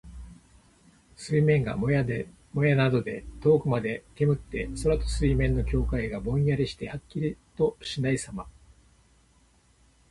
水面がもやなどで遠くまで煙って、空と水面の境界がぼんやりしてはっきりとしないさま。